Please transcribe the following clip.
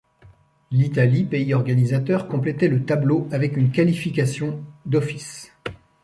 L'Italie, pays organisateur, complétait le tableau avec une qualification d'office.